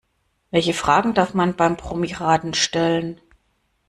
Welche Fragen darf man beim Promiraten stellen?